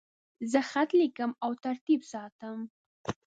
زه خط لیکم او ترتیب ساتم.